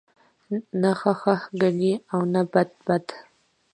نه ښه ښه گڼي او نه بد بد